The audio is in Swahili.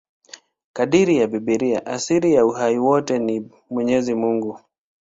Kadiri ya Biblia, asili ya uhai wote ni Mwenyezi Mungu.